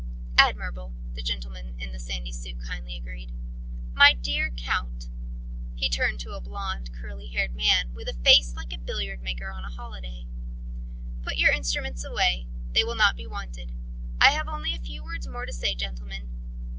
"Admirable," the gentleman in the sandy suit kindly agreed. "My dear Count" he turned to a blond, curly haired man, with a face like a billiard maker on a bank holiday "put your instruments away. They will not be wanted. I have only a few words more to say, gentlemen.